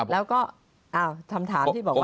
แล้วก็คำถามที่บอกว่า